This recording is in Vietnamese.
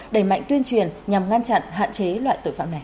đẩy mạnh tuyên truyền nhằm ngăn chặn hạn chế loại tội phạm này